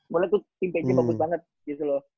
mulai tuh tim pyg bagus banget gitu loh